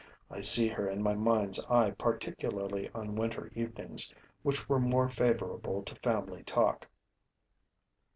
I see her in my mind's eye particularly on winter evenings, which were more favorable to family talk.